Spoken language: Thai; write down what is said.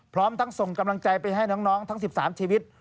พร้อมทั้งส่งกำลังใจไปให้น้องทั้ง๑๓ชีวิต